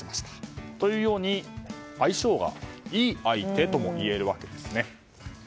というように相性がいい相手ともいえるわけですね。